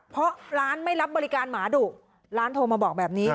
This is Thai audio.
เพราะร้านไม่รับบริการหมาดุร้านโทรมาบอกแบบนี้